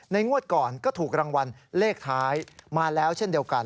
งวดก่อนก็ถูกรางวัลเลขท้ายมาแล้วเช่นเดียวกัน